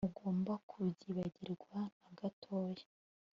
ntugomba kubyibagirwa nagatoya